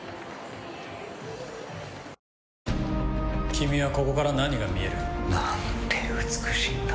君はここから何が見える？なんて美しいんだ。